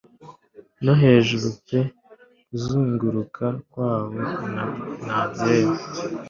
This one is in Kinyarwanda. no hejuru pe kuzunguruka kwabo-na-byera